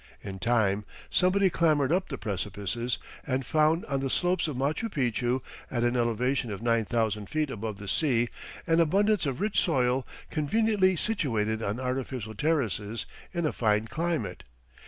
In time somebody clambered up the precipices and found on the slopes of Machu Picchu, at an elevation of 9000 feet above the sea, an abundance of rich soil conveniently situated on artificial terraces, in a fine climate.